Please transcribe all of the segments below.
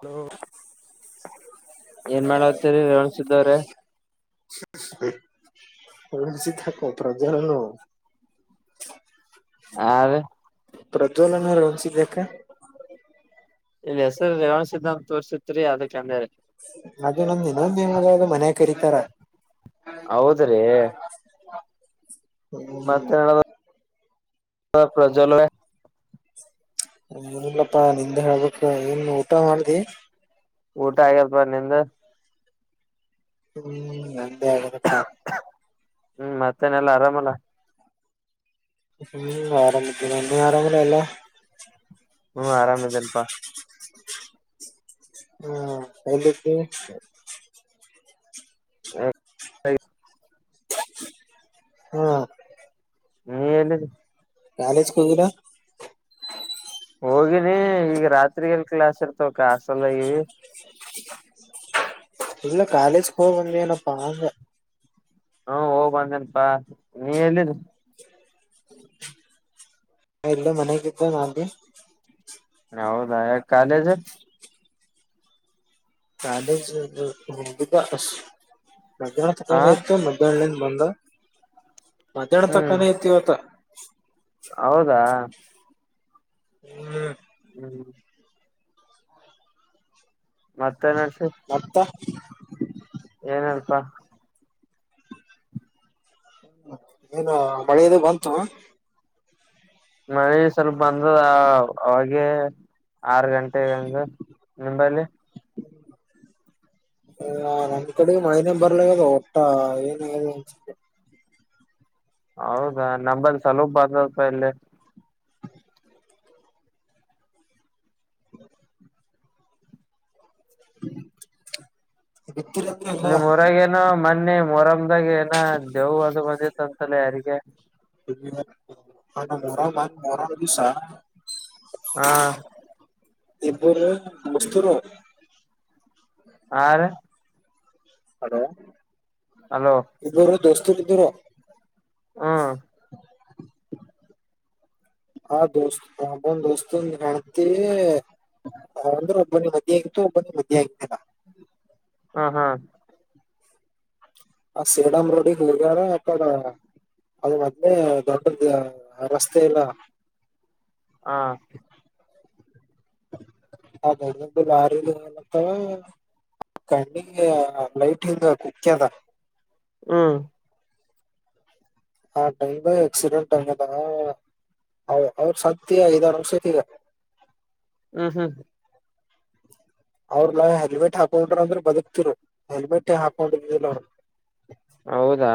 Hello ಏನ್ ಮಾಡತ್ತರಿ ರೋಣಸಿದ್ದವ್ರೆ ಬಿಸಿ ತೋ ಪ್ರ ಜ ಹಾ ಅದೇ ಪ್ರಜ್ವಲನರು ಒನ್ಸಿದ್ದ್ಯಾಕ್ಕ ಇಲ್ಲಿ ಹೆಸರು ರವಣ ಸಿದ್ಧಾಂತ ತೋರ್ಸಿತ್ರಿ ಅದಕ್ಕೆ ಅಂದ್ರೆ ಮೆ ನಂದ ಇನ್ನೊಂದ್ನಾಗ ಅದು ಮನ್ಯ ಕರೀತಾರ ಹ ಹೌದ್ರಿ ಹ್ಮ ಹ ಪ್ರಜ್ ಏನಿಲ್ಲಪ್ಪಾ ನಿಂದ ಹೇಳ್ಬೇಕ ಏನ್ ಊಟ ಮಾಡ್ದಿ ಊಟ ಆಗ್ಯಲ್ಪ ನಿದ ಹ್ಮ್ ನಂದೇಡುದಪ್ಪಾ ಹ್ಮ್ ಮತ್ತೇನೆಲ್ಲಾ ಆರಾಮಲ್ಲ ಆರಂಬ ಎಂದ ನರಂಗಲ ಅಲ್ಲ ಹ್ಮ್ ಆರಾಮದೆ ಅಲ್ಪಾ ಹಾ ಎಕ್ಕೆ ಹ ಹ್ಮ ನೀ ಎಲ್ಲಿದ ಕಾಲೇಜ್ ಕೋಗರ ಹೋಗಿನಿ ಈಗ ರಾತ್ರಿ ಎಲ್ ಕ್ಲಾಸ್ ಇರ್ತವ ಕಸ್ಲ್ದಗಿ ಇಲ್ಲ ಕಾಲೇಜ್ ಹಂದನ ಪಂಗ ಹ್ಮ ಹೋಗ್ ಬಂದೇನಪಾ ನೀ ಎಲ್ಲಿದ ಎಲ್ಲ ಮನೆಗತ್ತು ನಿ ಹೌದ ಕಾಲೇಜ ಕಾಲೇಜ್ ಹೋಗುದು ಅ ಮಧ ಹ ತಕಾನ ಇತ್ತು ಮಧ್ಯಾಹ್ನಿಂದ ಬಂದ ಮಧ್ಯಾಹ್ನ ಹ್ಮ್ ತಕ್ಕಾನ ಐತಿವತ್ತ ಹೌದಾ ಹ್ಮ ಹ್ಮ್ ಮತ್ತೆ ನನ್ಸ ಹ ಏನ್ ಅಲ್ಪ ಏನು ಮಳೆಯದ ಬಂತು ಮಳೆ ಸ್ವಲ್ಪ ಬಂದದ ಅವಾಗೆ ಆರು ಗಂಟೆಗಂಗ ನಿಂಬಲ್ಲಿ ಹ ನನ್ನ ಕಡೆಗೆ ಮೈ ನ ಬರ್ಲ ಕದ ಒಟ್ಟ ಏನ ಹೌದಾ ನಲ್ಲಿ ಸ್ಲೋಪ ಬಂದಪ್ಪ ಇಲ್ಲಿ ಹ ನಿಮಮ್ಮ ಹೊರಗೇನ ಮ ಮೊನ್ನೆ ಮೊರಮ್ದಾಗ ಏನ ದೇವ ಅದು ಮಜತ್ ಅಂತಲ್ಲ ಯಾರಿಗೆ ಮರ ಮರ್ ದಿವಸ ಹಾ ಇಬರು ಮಸ್ತರ ಆ ರ ಹಲೋ ಹಲೋ ದೊಸ್ತೂರು ಬಿದ್ದರ ಹಾ [inaudible] ಹಾ ದೋಸ್ತ ಅಂಬೊಂದ ದೋಸ್ತುನ್ ಹೆಣತಿ. ಹ ಅಂದ್ರ ಒಬ್ಬೋನಿಗ್ ಮದಿ ಆಗಿತ್ತು ಒಬ್ಬೊಂದು ಮದಿ ಆಗಿದಿಲ್ಲ. ಹಾ ಹಾ ಆ ಸೇಡಂ ರೋಡಿಗಿ ಹೋಗ್ಯರ ಆಕಡ. ಅದು ಮೊದ್ಲೇ ದೊಡ್ಡದ್ದ ಅ ರಸ್ತೆ ಇಲ್ಲ. ಹಾ ಆ ದೊಡ್ಡ ದೊಡ್ಡದು ಲಾರಿ ಹೊಲತಾವ. ಕಣ್ಣಿಗ ಲೈಟ್ ಹಿಂಗ ಕುಖ್ಯದ. ಹ್ಮ ಹಾ ಟೈಮದಾಗ ಆಕ್ಸಿಡೆಂಟ್ ಆಗ್ಯದ. ಔ ಅವ್ರ ಸತ್ತಿ ಐದ್ ಆರ್ ವರ್ಷ ಆಯಿತಿಗ. ಹ್ಮ್ ಹ್ಮ್ ಅವ್ರಲ್ಲಾ ಹೆಲ್ಮೆಟ್ ಹಾಕೊಂಡ್ರ ಅಂದ್ರ ಬದುಕ್ತಿರು ಹೆಲ್ಮೆಟ್ ಹಾಕೊಂಡೀರ್ಲಿಲ್ಲ ಅವ್ರು. ಹೌದಾ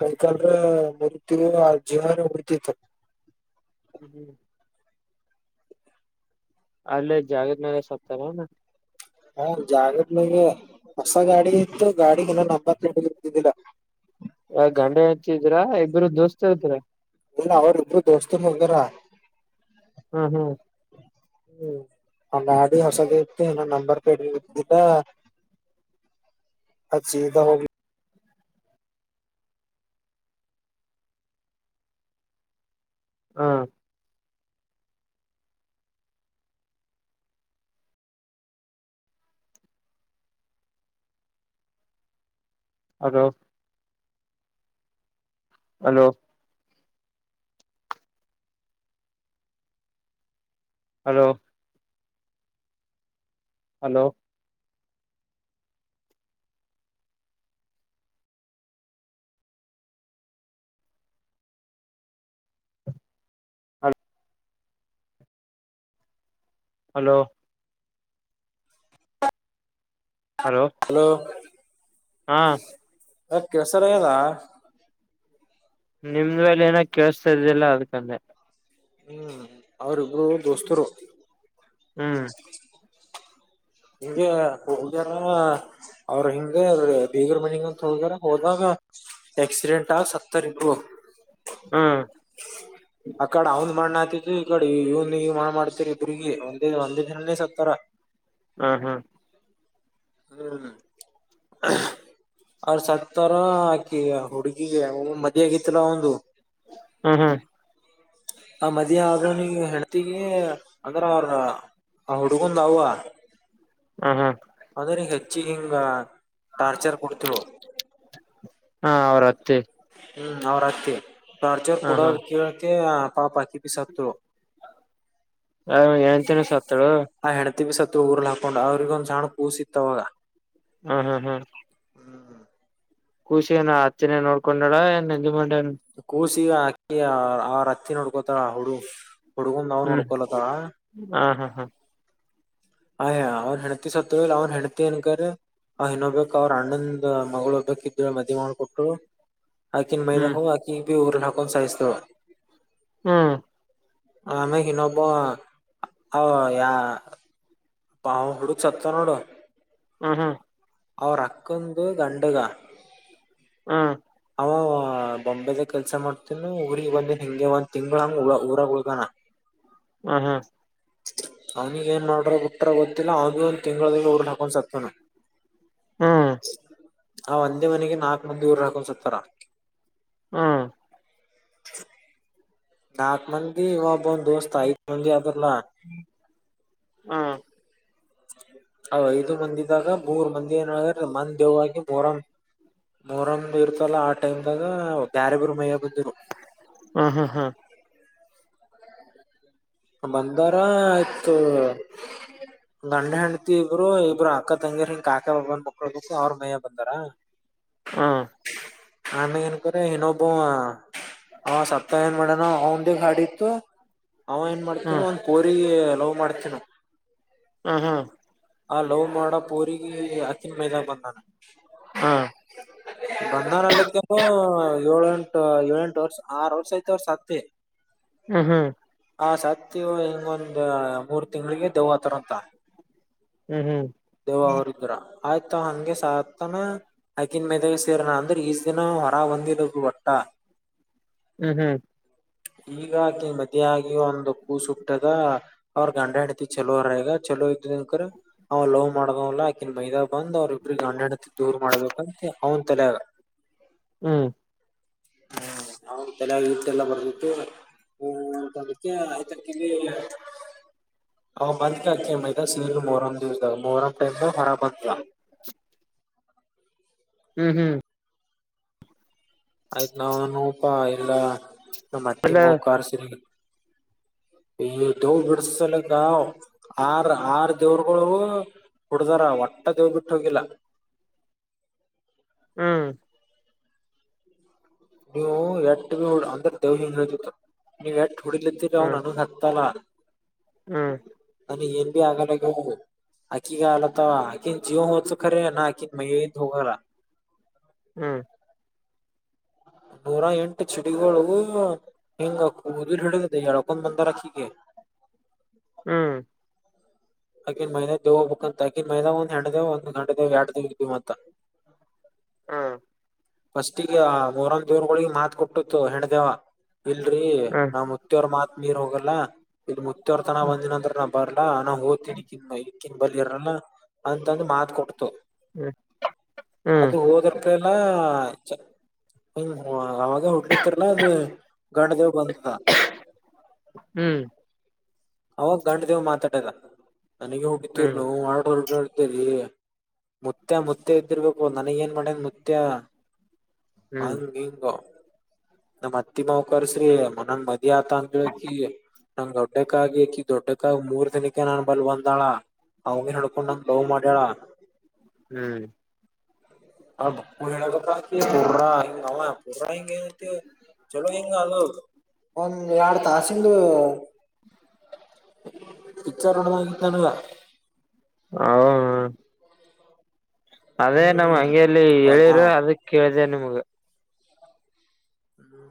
ಕೈಕಾಲ್ರ ಮುರಿತಿವ್ ಆ ಜೀವಾನೆ ಹೋಗ್ಬಿಡತಿತ್ತು. ಹ್ಮ ಅಲ್ಲೇ ಜಾಗದ ಮ್ಯಾಲೆ ಸತ್ತನೇನ. ಆ ಜಾಗದ ಮ್ಯಾಗೆ ಹೊಸ ಗಾಡಿ ಇತ್ತು ಗಾಡಿ ಇನ್ನ ನಂಬರ್ ಪ್ಲೇಟೆ ಇದ್ದಿದಿಲ್ಲ. ಆ ಗಂಡ ಹೆಂಡ್ತಿ ಇದ್ರ ಇಬ್ರು ದೋಸ್ತರ ಇದ್ರ. ಇಲ್ಲ ಅವ್ರ ಇಬ್ರೂ ದೊಸ್ತೂರು ಹೋಗ್ಯರ. ಹ್ಮ್ ಹ್ಮ್ ಹ್ಮ್ ಆ ಗಾಡಿ ಹೊಸದೆ ಇತ್ತಿ ಹಿನಾ ನಂಬರ್ ಪ್ಲೇಟಬಿ ಇದ್ದಿಲ್ಲ. ಆದ್ ಸೀದಾ ಹೋಗಿ ಹ ಅದು hello hello hello hello hello ಹಾ ಯಾಕ್ ಕೇಳ್ಸಲಾಗ್ಯದ. ನಿಂಬಲೇನ ಕೆಳಸ್ತ ಇದ್ದಿಲ್ಲ ಅದಕ್ ಅಂದ್ಯ. ಹ್ಮ್ ಅವ್ರ ಇಬ್ರೂ ದೊಸ್ತೂರು. ಹ್ಮ್ [inaudible] ಹಿಂಗೆ ಹೋಗ್ಯರ. ಅವ್ರ ಹಿಂಗೆ ಬೀಗರ್ ಮನಿಗಂತ ಹೋಗ್ಯರ ಹೋದಾಗ. ಆಕ್ಸಿಡೆಂಟ್ ಆಗ್ ಸತ್ತಾರ ಇಬ್ರು. ಹ್ಮ ಅಕಡ ಅವನ್ ಮಣ್ಣ್ ಆ ತಿದ್ದು ಈಕಡಿ ಇವನ್ ಈಗ್ ಮಣ್ಣ ಮಾಡ್ತೀರಿ ಇಬ್ರಿಗಿ ಒಂದೇ ಒಂದೇ ದಿನಾನೇ ಸತ್ತಾರ. ಹಾ ಹಾ ಹ್ಮ ಅವ್ರ ಸತ್ತರ. ಅಕಿ ಆ ಹುಡುಗಿ ಮದಿ ಆಗಿತಲ ಅವಂದು. ಹ್ಮ್ ಹ್ಮ್ ಆ ಮದ ಆದ ನೀ ಹೆಣತಿಗಿ ಅಂದ್ರ ಅವ್ರ ಹ ಹುಡುಕೊಂಡ ದವುುವ ಹ ಹಾ ಆದದ್ರ ಈಗ ಹೆಚ್ಚಿ ಹಿಂಗ ಟಾರ್ಚರ್ ಕೊಡ್ತಿವು ಹಾ ಅವ್ರತ್ತೆ ಹ್ಮ್ ಅವ್ರ ಅಕ್ಕತಿ ಾರ್ಚರ್ ಹ ಕೂಡ ಹಾ ಕೇಳ್ತಿ ಪಾಪ ಕ ಪಿ ಸತ್ರ ಹ ಎನ್ಂತಿನ ಸತ್ತಳು ತ್ತ ಬ ಸತ್ತ ಊರ್ಲ್ಲಿ ಹಾಕೊಂಡು ಅವ್ರಗ ಒಂದ್ಣ್ಣ ಕೂಸಿತ್ತವಾಗ ಹ್ಮ ಹ್ಮ್ ಹ್ಮ್ ಖುಷಿ ನ ಅೆನೇ ನೋಡ್ಕೊಂಡಳ ನಂದು ಮಂದ ಕೂಸಿಗ ಅಕಿ ಆರ ಹತ್ತಿ ನೋಡ್ಕೋತಾರ ಹುಡು ಹಡುಕೊಂಡ ನಾವನ್ ಹ್ಮ್ ಹುಡ್ಕೋಲ್ಲ ತರ ಹ ಹಾ ಹಾ ಆಯ ಅವ್ನ್ ಹೆಂಡತಿ ಸತ್ ಅವ್ನ್ ಹೆಂಡತಿ ಅನ್ಕ ಆ ನಕೊಬೇಕಕ್ ಅವರು ಅಣ್ಣಂದ ಮಗಳು ಒಬ್ಬಕಿ ಇದ್ದಳು ಮದವಿ ಮಾಡ್ಕೊಟ್ರು ಹಾಕಿನ ಮೈದ ಹ್ಮ್ ಹ ಹಾಕಿ ಊ್ರ ಹಕ ಸಹಿಸ್ತವ ಹ್ಮ ಆಮೇಲ ಹ ನಬ ಹ ಯಾ ಅಪ್ಪ ಅವಾ್ ಹುಡು ಸತ್ತತ ನೋಡು ಹ ಹಾ ಅವ್ರಕ್ಕಂದು ಗಂಡಗ ಹಾ ಹ ಬೊಂಬೆದಾಗ ಕೆಲ್ಸ ಮಾಡ್ತನ ಊ್ರಗ್ ಬಂದಿನ ಹಿಂಗೆ ಒಂದ ತಿಂಗಳ ಹಂಗ ಉ ಊರಾಗ ಉಳ್ಗಣ ಹ್ಮ ಹ್ಮ ಅವ್ನಿಗ ಏನ್ ಮಾಡ್ರ ಬಿುಟ್ರ ಗೊತ್ತಿಲ್ಲ ಅವ ಒಂದ ತಿಂಗಳ ದಿಂದ ಊರಲ ಹಾಕೊೊಂಡ್ ಸತವಾನ ಹ್ಮ ಹ ಒಂದೇ ಮನೆಗೆ ನಾಕ್ ಮಂದಿ ದೂರ ಹಾಕೊಂಡ ಸತಾರ ಹಾ ನಾಗ ಮಂದಿ ಇವ ಒಬ್ಬ ದೋಸ್ತ ಆಯೆ ಅದಲ್ಲ ಅ ಐದು ಮಂದಿದಾಗ ಮೂರ್ ಮಂದಿ ಏನ ಮಂದ ದೇವವಾಗಿ ಮೂರ ಮೂರಂಗ ಇರ್ತಲ್ಲ ಆ ಟೈಮದಾಗ ಬ್ಯಾರೆಬರು ಮೈಯ ಬಂದಿರು ಹ್ಮ್ ಹ್ಮ್ ಹ್ಮ್ ಹ್ಮ್ ಹ್ಮ್ ಹ್ಮ್ ಹ್ಮ್ ಹ್ಮ್ ಬಂದಾರ ಆಯ್ತು ಗಂಡೆ ಹಂಡ ಮ ಇಬ್ರು ಇಬ್ಬರು ಅಕ್ಕ ತಂಗಿರಿ ಹಿಂಗ ಕಾಕೆ ಒಬ್ಬನ್ ಮಕ್ಕಳಳ್ಬೇಕು ಅವ್ರ ಮಯ್ಯ ಬಂದಾರ ಹ ಆಮೇ ಏನ್ಕರ ಇನ್ನೊಬ್ಬ ಹಾ ಸಪ್ತ ಏನ್ ಮಾಡಡಣ ಅವಂದಿಗೆ ಗಾಡಿ ಇತ್ತು ಮಾಡ್ತನೋ ಅಂಗ್ ಕೋರಿ ಲವ್ ಮಾಡ್ತನೋ ಹಾ ಹಾ ಆ ಲವ್ ಮಾಡ ಪೂರಿಗೆ ಅಕ್ಕಿನ ಮೈದಾಗ ಬಂದಾನ ಹಾ ಬಂದಾನಲ್ಲಕ್ಕನು ಏಳ ಎಂಟು ಏಳ ಎಂಟು ವರ್ಷ ಆರು ವರ್ಷ ಐ್ತ ಅವ್ರ ಸತ್ ಹ ಹಾ ಹ ಸತಿವ ಹಿಂಗೊಂದ ಮೂರ್ ತಿಂಗ್ಳಿಗೆ ದೌ್ತ್ರರ ಅಂತ ಹ್ಮ್ ಹ್ಮ್ ದೇವ ಅವರ ಇದ್ರ ಆಯ್ತು ಹಂಗೆ ಸಾತನ ಹಗಿನ ಮದಾಗ ಸೇರನಾ ಅಂದ್ರೆ ಈಜ ದಿನ ಹೊರ ಹೊಂದಿದ ಒಟ್ಟ ಹ್ಮ್ ಹ್ಮ್ ಈಗಾಗಿ ಮದ ಆಗಿ ಒಂದು ಕೂಸುಟ್ಟದ ಅವ್ರಗ ಗಂಡ ಹೆಂಡತಿ ಚಲೋರ ಈಗ [unintelligible] ಮಾಡವಲ್ಲಾ ಆಕಿನ್ ಮೈದಾ ಬಂದ್ ಅವ್ರ ಇಬ್ರು ಗಂಡ ಹೆಂಡ್ತಿ ದೂರ್ ಮಾಡ್ಬೇಕಂತ ಅವ್ನ್ ತಲೆಗ ಹ್ಮ್ ನಾವು ತಲೆ ಇಟ್ಟೆಲ್ಲ ಬರ್ದಿತ್ತು [unintelligible] [unintelligible] ಮೊಹರಂ ದಿವಸದ ಮೊಹರಂ [unintelligible] ಹ್ಮ್ ಹ್ಮ್ ಆಯ್ತ್ ನಾವ್ [unintelligible] ಇಲ್ಲ ನಮ್ಮ್ ಅತ್ತಿ ಅಲ್ಲ ಮಾವ ಕಾರ್ಸ್ರಿ [inaudible] ಈ ದೇವ ಬಿಡಸಲಕ್ಕ ಆರ್ ಆರ್ ದೇವ್ರಗಳು [unintelligible] ಒಟ್ಟ ದೆವ್ವ ಬಿಟ್ಟ ಹೋಗಿಲ್ಲ ಹ್ಮ್ ನೀವು ಎಟ್ಟ ನಡು ಅಂದ್ರ ದೇವ್ ಹಿಂಗ ನೀವು್ ಎಟ್ [unintelligible] ಡಿಲಿತ್ತರ ನ ಅವನು ಹತ್ತಲ್ಲ [unintelligible] ಹ್ಮ ನಮಗೆ ಹಿಂದೆ ಆಗಲಾಗಿದ್ರಿ ಹಕ್ಕಿಗ ಅಲ್ಲ ತ ಆಕಿನ್ ಜೀವ ಹದು ಖರ ನ ಆಕಿನ್ ಮತ್ ಹೋಗಲ್ಲ ಹ್ಮ್ ನೂರ ಎಂಟು ಚಡಿಗಳು ಹಿಂಗ ಕುದಲ್ ಹಿಡದ ಎಳ್ಕೊಂದ್ ಬಂದಾರ ಅಕ್ಕಿಗೆ. ಹ ಹ್ಮ್ ಆಗಿನ ಮೈದಾನ ದೇ ಹೋಗಬೇಕಕ್ಂತ ಆಕಿನ್ ಮೈದಾ ಒಂದ್ ಎಂಟದ ಒ್ ಗಂಟೆೇ್ ಎಡ್್ದ ಇದವ ಅಂತ [unintelligible] ಫಸ್ಟಗ ಮೂರೊಂದ್ ದೂರ್ಗಳಿಗೆ ಮಾತ್ ಕೊಟ್ಟಿತ್ತು ಹೆಂಡ್ದೇವ ಇಲ್ರರಿ ಹ್ಮ್ ನಾ ಮುತ್ತೇವರ ಮಾತ್ ನೀರ್ ಹೋಗಲ್ಲ ಇಲ್ ರ್ ತನ ಹ್ಮ್ ಬಂದ ನ್ರ ನ ಬರ್ ನಾ ಹದ ತ್ತಿನಿಕ್ಕನ್ ಇಕ್ಕಿನ ಬಲಿಯರಲ್ಲ ಅಂತಂದು ಮಾತ ಕೊಡ್ತು ಹ್ಮ್ ಹ್ಮ್ ಲ್ಲ ಹ ಅವಾಗ ಹುಟ್ಲಿತ್ತರಲ್ಲ ಅದು ಗಂಡ ದೇವ್ ಬಂದ ಹ್ಮ್ ಅವ ಗಂಡ ದೇವ್ ಮಾತಾಡದ ನನಗೆ ಯಾಕೆ ಬಿದ್ದರ್ರಿ ಹ್ಮ್ ನೀವು ಅಡ್ರ ಅಡ್ರ. ಮುತ್ತ ಮುತ್ತೆ ಇದ್ದಿರ್ಬೇಕು ನನಗ್ ಏನ್ ಮಾಡೇನ್ ಮುತ್ತ ಹ್ಮ್ ಹಂಗಂಗ ನಮ್ ಅತ್ತಿ ಮಾವಕರ್ಸ್ರೀ ಮನನ್ ಮದ ಆತ ಅಂತಕಿ ನಂಗ್ ಗೊಡ್ಡ ಕ್ಕಗಕಿ ದೊಡ್ಡಕ್ಕಾಗಿ ಮೂರ್ ದಿನಕ್ಕೆ ನನ್ ಬಲ್ ಒಂದಾಳ ಅವನ ಹಡ್ಕೊಂಡ್ ನಂಗ ದವ ಮಾಡ್ಯಾಡ ಹ್ಮ್ ಹ ಬು ಹೇಳಪ್ಪಾ ಪಾ ಹ ನಾವ ಪೋಸಾ ಹಿಂಗಗೆಏನು ಚಲೋ ಹಿಂಗ ಅದು ಒಂದ್ ಎರಡ್ ತಾಸಿಂದು ಪಿಚಾರಡ ನ ತಾಣುವ ಹ ಅದೇ ನಮ ಹಂಗೇಲ್ಲಿ ನಾ ಹೇಳಿರ ಅದ ಕೇಳಿದೆ ನಿಮ್ಗ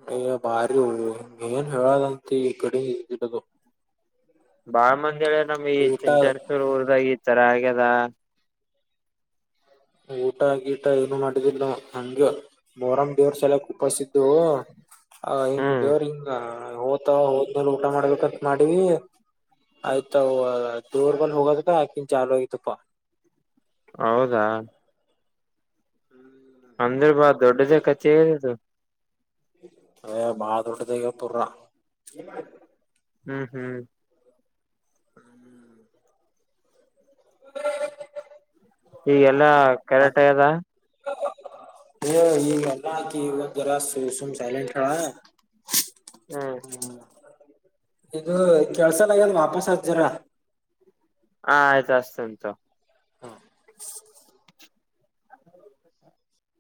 ಹ ಈಗ ಬಾರಿ ಹ ಏನ್ ಹೇಳದಂತ ಈ ಕಡೆ ಇಡದು ಬಾಳ ಮಂದಳ ನಮ್ ಈ ಊಟ ಚಿಂಚಾರಸೂರ್ ಊರದಾಗ ಈ ತರ ಆಗ್ಯದ ಊಟ ಗಿ ಟ ಏನು ಮಾಡಿದಿಲ್ಲ ನ ಹಂಗಗೆ ಮೋರಾಮ್ ದೇವ್ರ ಸಲ ಉಪಾಸಿದ್ದು ಹ ಹಿಂಗ್ ಹ್ಮ್ ದೇವ್ರ ಹಿಂಗ ಹೋತಾವ ಹೋದ್ಮೇಲೆ ಊಟ ಮಾಡ್ಬೇಕಂತ ಮಾಡೀವ ಆಯ್ತ ದೂರ್ ಬಂದ ಹೋಗದತ್ತ ಯಾಕಿನ ಚಾಲ್ ಆಗತಪ್ಪಾ ಹೌದಾ ದೊಡ್ಡದು ಕಚೆ [unintelligible] [unintelligible] [unintelligible] [unintelligible] ಹ್ಮ್ ಹ್ಮ್ ಹ [unintelligible] [inaudible] ಈಗೆಲ್ಲಾ ಕೆರೆಟ ಆಗೆದ ಸುಮ ಸೈಲಟ್ ಆಳ ಹ್ಮ್ [unintelligible] ಇದು ಕೆಳ್ಸಲ್ಗನ್ ವಾಪಸ್ [unintelligible] ಹಾ ಆಯ್ತು ಅಸ್ತಿನಿ ತಗೊ ಹಾ